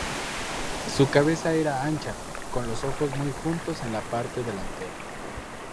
Su cabeza era ancha, con los ojos muy juntos en la parte delantera.